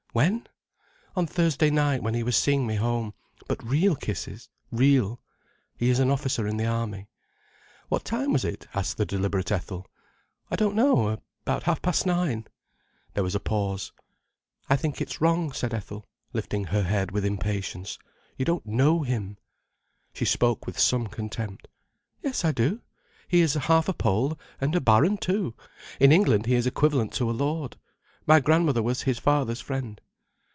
"When?" "On Thursday night when he was seeing me home—but real kisses—real—. He is an officer in the army." "What time was it?" asked the deliberate Ethel. "I don't know—about half past nine." There was a pause. "I think it's wrong," said Ethel, lifting her head with impatience. "You don't know him." She spoke with some contempt. "Yes, I do. He is half a Pole, and a Baron too. In England he is equivalent to a Lord. My grandmother was his father's friend."